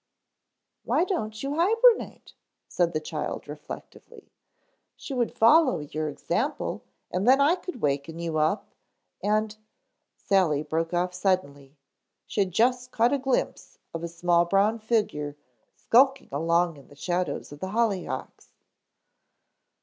"Why don't you hibernate?" said the child reflectively. "She would follow your example and then I could waken you up and——." Sally broke off suddenly. She had just caught a glimpse of a small brown figure skulking along in the shadow of the hollyhocks.